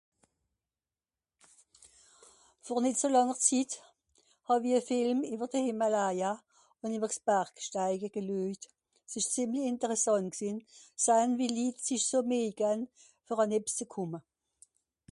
Vor nìt so lànger Zitt hàw-i e Film ìwer de Hìmalaya ùn ìwer s'Bargsteige geluejt. S'ìsch zìemli ìnteressànt gsìnn, sahn wie Litt so Mìeih gann, fer àn ebbs ze kùmme.